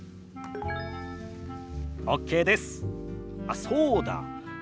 あっそうだ。